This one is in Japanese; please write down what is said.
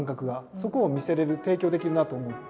そこを見せれる提供できるなあと思って。